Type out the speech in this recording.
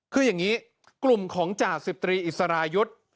คืออย่างนี้กลุ่มของจ่าสิบตรีอิสรายุทธ์